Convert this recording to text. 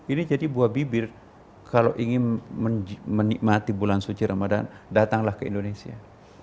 ini jadi buah bibir kalau ingin menikmati bulan suci ramadan datanglah ke indonesia